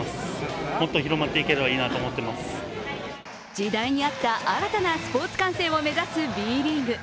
時代に合った新たなスポーツ観戦を目指すＢリーグ。